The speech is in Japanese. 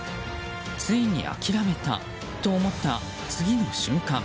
ついに諦めたと思った次の瞬間